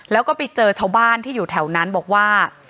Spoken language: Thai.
แล้วก็ไปเจอชาวบ้านที่อยู่แถวนั้นบอกว่า